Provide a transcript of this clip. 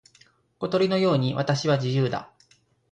小鳥のように私は自由だ。